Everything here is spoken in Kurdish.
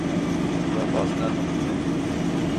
We baz neda.